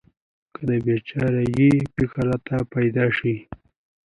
که د بې چاره ګۍ فکر راته پیدا شي.